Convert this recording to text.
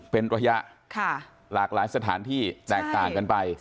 เป็นระยะหลากหลายสถานที่แตกต่างกันไป